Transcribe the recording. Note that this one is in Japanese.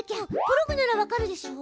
プログならわかるでしょ？